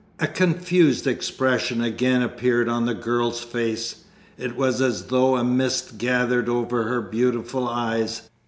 A confused expression again appeared on the girl's face. It was as though a mist gathered over her beautiful eyes.